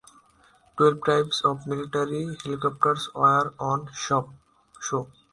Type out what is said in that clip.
Twelve types of military helicopters were on show.